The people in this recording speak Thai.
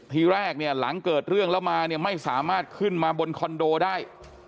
ที่แรกหลังเกิดเรื่องแล้วมาไม่สามารถขึ้นมาบนคอนโดได้